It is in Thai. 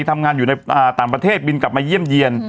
ทำงานอยู่ในต่างประเทศบินกลับมาเยี่ยมเยี่ยน